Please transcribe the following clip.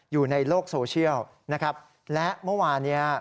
อยู่ในโลกโซเชียลนะครับและเมื่อวานเนี่ย